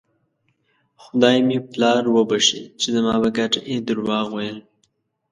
خدای مې پلار وبښي چې زما په ګټه یې درواغ ویل.